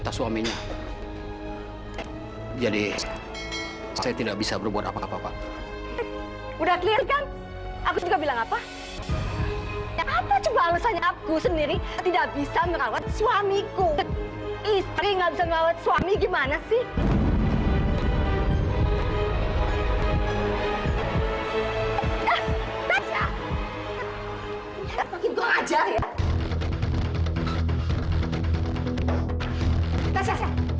tasya jangan bawa